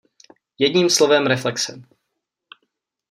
Jedním slovem reflexe.